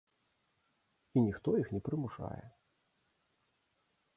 І ніхто іх не прымушае!